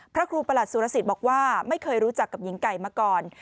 พระครูประหลัดสุรสิทธิ์บอกว่าไม่เคยรู้จักกับหญิงไก่มาก่อน